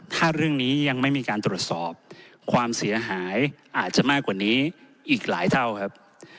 ถ้าเรื่องนี้ยังไม่มีการตรวจสอบความเสียหายอาจจะมากกว่านี้อีกหลายเท่าครับ